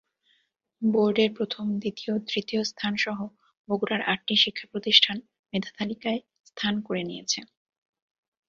বোর্ডের প্রথম, দ্বিতীয়, তৃতীয় স্থানসহ বগুড়ার আটটি শিক্ষাপ্রতিষ্ঠান মেধাতালিকায় স্থান করে নিয়েছে।